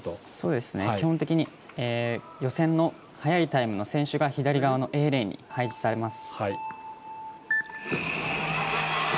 基本的に予選の速いタイムの選手が左側のＡレーンに配置されます。